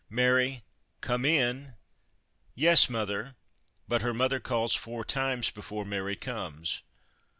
'Mary, come in.' 'Yes, mother '; but her mother calls four times before Mary comes.